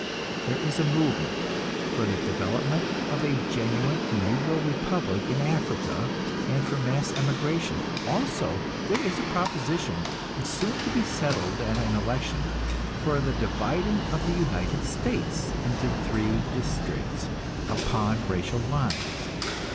There is a movement for the development of a genuine Negro Republic in Africa, and for mass emigration. Also there is a proposition, soon to be settled at an election, for the dividing of the United States into three districts upon racial lines.